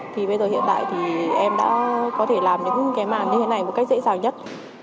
thì bây giờ hiện tại thì em đã có thể làm những cái màn như thế này một cách dễ dàng nhất